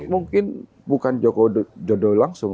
kalau mungkin bukan jokowi dodo langsung